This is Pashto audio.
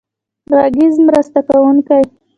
غږیز مرسته کوونکی.